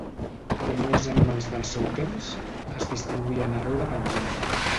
Com molts animals del seu temps, es distribuïen arreu de Pangea.